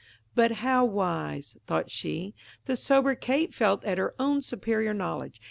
"But how wise," thought she, "the sober Kate felt at her own superior knowledge!